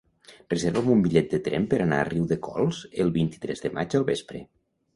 Reserva'm un bitllet de tren per anar a Riudecols el vint-i-tres de maig al vespre.